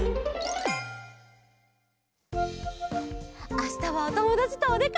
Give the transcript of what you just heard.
あしたはおともだちとおでかけ！